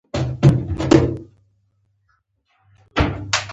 ډېر ظالم دی